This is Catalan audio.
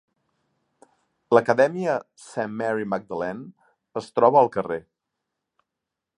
L'acadèmia Saint Mary Magdalene es troba al carrer.